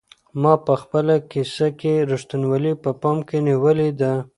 ما په خپله کيسه کې رښتینولي په پام کې نیولې ده.